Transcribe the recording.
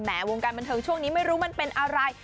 วงการบันเทิงช่วงนี้ไม่รู้มันเป็นอะไร